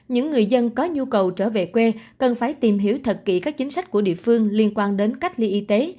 những người dân có nhu cầu trở về quê cần phải tìm hiểu thật kỹ các chính sách của địa phương liên quan đến cách ly y tế